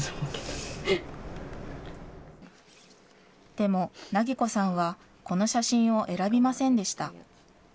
でも、梛子さんはこの写真を選びませんでした。